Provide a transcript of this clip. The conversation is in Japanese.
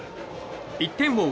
１点を追う